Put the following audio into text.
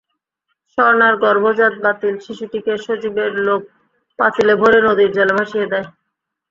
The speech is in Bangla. স্বর্ণার গর্ভজাত বাতিল শিশুটিকে সজীবের লোক পাতিলে ভরে নদীর জলে ভাসিয়ে দেয়।